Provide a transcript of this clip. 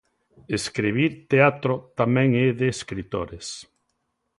Escribir teatro tamén é de escritores.